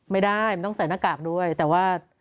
ไม่ได้มันต้องใส่หน้ากากด้วยแต่ว่า